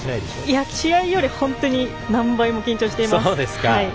いや、試合より本当に何倍も緊張しています。